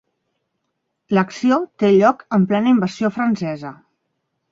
L'acció té lloc en plena invasió francesa.